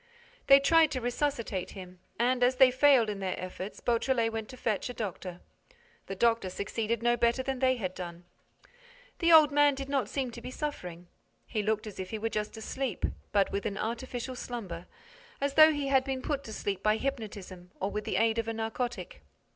They tried to resuscitate him and, as they failed in their efforts, Beautrelet went to fetch a doctor. The doctor succeeded no better than they had done. The old man did not seem to be suffering. He looked as if he were just asleep, but with an artificial slumber, as though he had been put to sleep by hypnotism or with the aid of a narcotic.